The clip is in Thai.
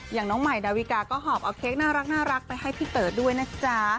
น้องใหม่ดาวิกาก็หอบเอาเค้กน่ารักไปให้พี่เต๋อด้วยนะจ๊ะ